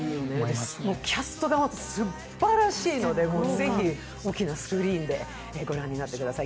キャストがすっばらしいので、ぜひ大きなスクリーンで御覧になってください。